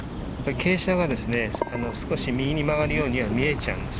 傾斜が少し右に曲がるようには見えちゃうんです。